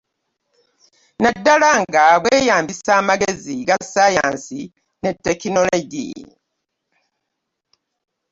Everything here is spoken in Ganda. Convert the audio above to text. Naddala nga bweyambisa amagezi ga ssaayansi ne tekinologiya